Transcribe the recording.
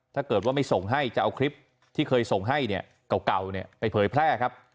ถ้าเกิดว่าไม่ส่งให้จะเอาคลิปที่เคยส่งให้เนี่ยเก่าไปเผยแพร่ครับ